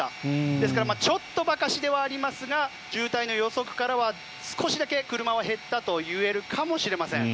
ですからちょっとばかしではありますが渋滞の予測からは少しだけ車は減ったといえるかもしれません。